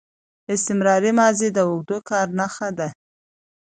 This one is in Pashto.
استمراري ماضي د اوږده کار نخښه ده.